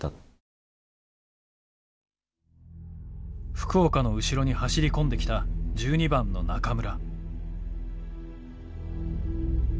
福岡の後ろに走り込んできた１２番の中村。